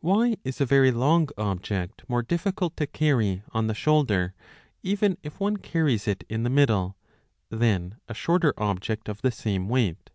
WHY is a very long object more difficult to carry on the shoulder, even if one carries it in the middle, than a shorter object of the same weight